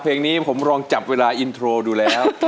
เพลงนี้ผมลองจับเวลาอินโทรดูแล้ว